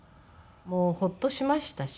もうホッとしましたしね。